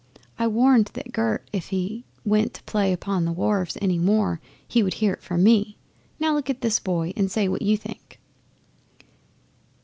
I warned that Gert if he went to play upon the wharves any more he would hear from me. Now look at this boy and say what you think."